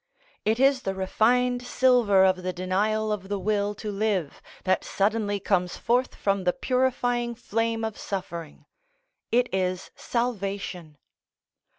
It is the refined silver of the denial of the will to live that suddenly comes forth from the purifying flame of suffering. It is salvation.